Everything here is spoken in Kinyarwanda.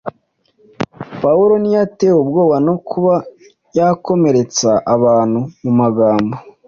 Pawulo ntiyatewe ubwoba no kuba yakomeretsa abantu mu magambo,